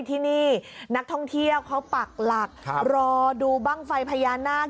ที่นี่นักท่องเที่ยวเขาปักหลักรอดูบ้างไฟพญานาค